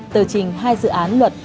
tờ trình hai dự án luật